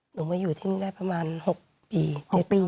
หนูมาอยู่ที่นี่ได้ประมาณ๖ปี๗ปี